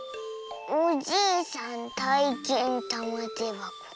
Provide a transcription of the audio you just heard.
「おじいさんたいけんたまてばこ。